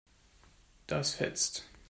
Das fetzt.